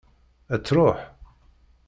Ad d-tṛuḥ?